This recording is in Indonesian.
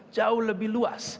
jauh lebih luas